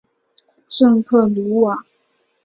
圣克鲁瓦。